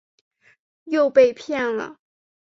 又被骗了